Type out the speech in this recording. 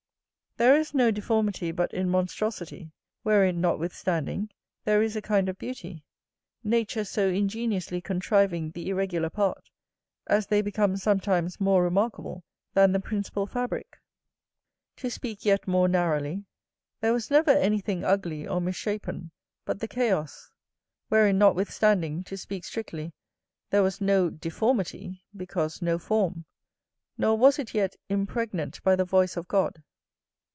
There is no deformity but in monstrosity; wherein, notwithstanding, there is a kind of beauty; nature so ingeniously contriving the irregular part, as they become sometimes more remarkable than the principal fabrick. To speak yet more narrowly, there was never any thing ugly or mis shapen, but the chaos; wherein, notwithstanding, to speak strictly, there was no deformity, because no form; nor was it yet impregnant by the voice of God.